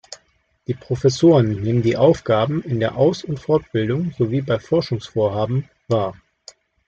Die Professoren nehmen die Aufgaben in der Aus- und Fortbildung sowie bei Forschungsvorhaben wahr.